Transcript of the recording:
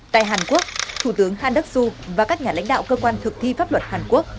tại hàn quốc thủ tướng han đức xu và các nhà lãnh đạo cơ quan thực thi pháp luật hàn quốc